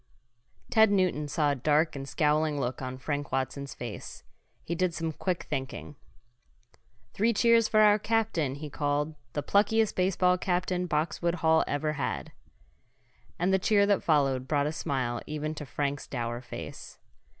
Ted Newton saw a dark and scowling look on Frank Watson's face. He did some quick thinking. "Three cheers for our captain!" he called. "The pluckiest baseball captain Boxwood Hall ever had." And the cheer that followed brought a smile even to Frank's dour face.